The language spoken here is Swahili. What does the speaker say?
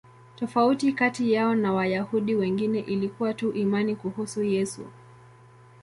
Tofauti kati yao na Wayahudi wengine ilikuwa tu imani kuhusu Yesu.